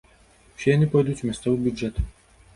Усе яны пойдуць у мясцовы бюджэт.